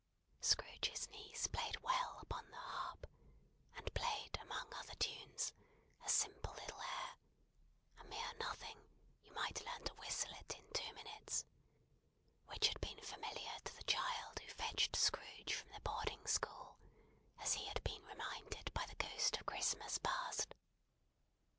Scrooge's niece played well upon the harp; and played among other tunes a simple little air (a mere nothing: you might learn to whistle it in two minutes), which had been familiar to the child who fetched Scrooge from the boarding school, as he had been reminded by the Ghost of Christmas Past.